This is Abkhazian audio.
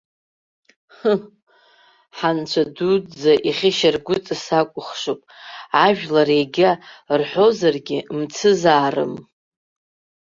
Ҳы, ҳанцәа дуӡӡа ихьышьаргәыҵа сакәыхшоуп, ажәлар ега рҳәозаргьы мцызаарым.